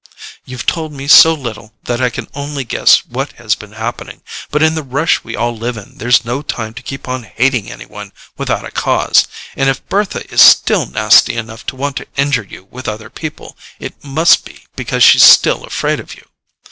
"You've told me so little that I can only guess what has been happening; but in the rush we all live in there's no time to keep on hating any one without a cause, and if Bertha is still nasty enough to want to injure you with other people it must be because she's still afraid of you.